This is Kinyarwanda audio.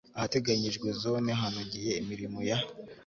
ahateganyijwe zone hanogeye imirimo ya